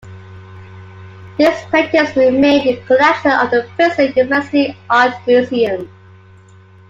These paintings remain in the collection of the Princeton University Art Museum.